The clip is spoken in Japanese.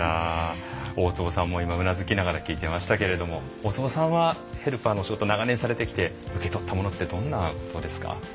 大坪さんも今うなずきながら聞いてましたけれども大坪さんはヘルパーのお仕事長年されてきて受け取ったものってどんなものですか？